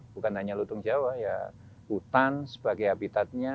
bukan hanya lutung jawa ya hutan sebagai habitatnya